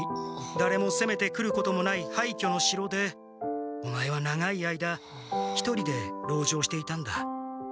だれもせめてくることもないはいきょの城でオマエは長い間一人で籠城していたんだ。